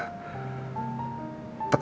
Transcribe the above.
tekanan dia ya mah